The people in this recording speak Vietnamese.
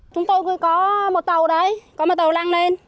chúng tôi cứ có một tàu đấy có một tàu lăng lên